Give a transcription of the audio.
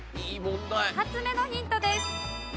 ２つ目のヒントです。